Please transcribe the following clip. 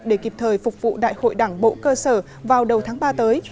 để kịp thời phục vụ đại hội đảng bộ cơ sở vào đầu tháng ba tới